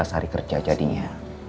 empat belas hari kerja jadinya